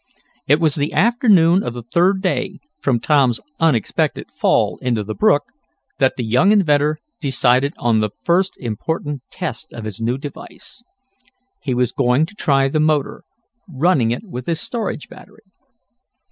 It was the afternoon of the third day from Tom's unexpected fall into the brook that the young inventor decided on the first important test of his new device. He was going to try the motor, running it with his storage battery.